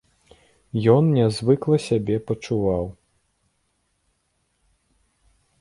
Ён нязвыкла сябе пачуваў.